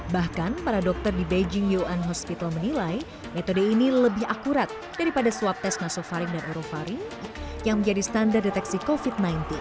bahkan para dokter di beijing yoan hospital menilai metode ini lebih akurat daripada swab tes nasofaring dan orovaring yang menjadi standar deteksi covid sembilan belas